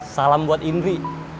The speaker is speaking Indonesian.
salam buat indri